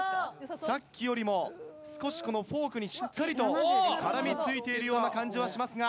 さっきよりもフォークにしっかりと絡み付いているような感じはしますが。